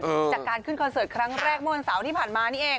จากการขึ้นคอนเสิร์ตครั้งแรกเมื่อวันเสาร์ที่ผ่านมานี่เอง